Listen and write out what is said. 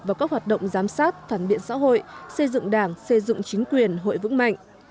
vào các hoạt động giám sát phản biện xã hội xây dựng đảng xây dựng chính quyền hội vững mạnh